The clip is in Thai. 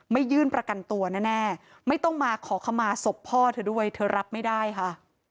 ยื่นประกันตัวแน่ไม่ต้องมาขอขมาศพพ่อเธอด้วยเธอรับไม่ได้ค่ะ